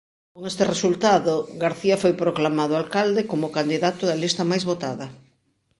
Con este resultado, García foi proclamado alcalde como candidato da lista máis votada.